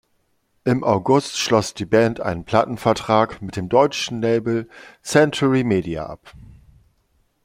Im August schloss die Band einen Plattenvertrag mit dem deutschen Label Century Media ab.